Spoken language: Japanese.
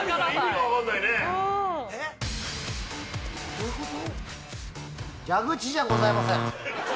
どういうこと？